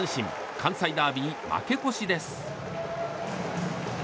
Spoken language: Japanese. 関西ダービー負け越しです。